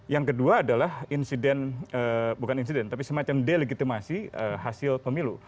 yang kedua adalah insiden bukan insiden tapi semacam delegitimasi hasil pemilu